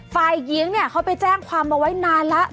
ฝ่ายหญิงเนี่ยเขาไปแจ้งความเอาไว้นานแล้ว